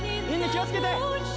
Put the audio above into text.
気をつけて！